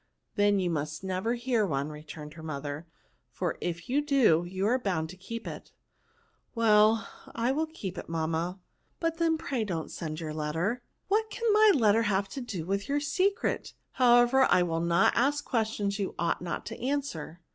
" Then you must never hear one," re turned his mother ;^' for if you do, you are bound to keep it" NOUNS. 1 59 '* Well, I will keep it, mamma ; but then pray don't send your letter." " What can my letter have to do with your secret ? However, I will not ask ques tions you ought not to answer."